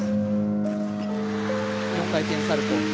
４回転サルコウ。